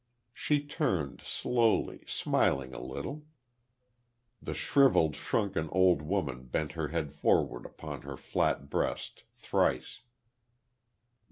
She turned, slowly, smiling a little. The shrivelled, shrunken old woman bent her head forward upon her flat breast, thrice.